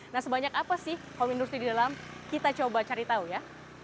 nah sebanyak apa sih home industry di dalam kita coba cari tahu ya